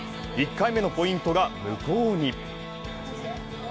１回目のポイントが無効に。